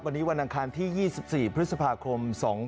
วันนี้วันอังคารที่๒๔พฤษภาคม๒๕๖๒